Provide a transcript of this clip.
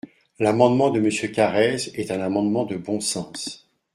L’amendement de Monsieur Carrez est un amendement de bon sens.